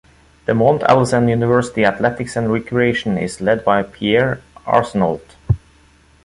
The Mount Allison University Athletics and Recreation is led by Pierre Arsenault.